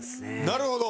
なるほど。